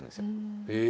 え！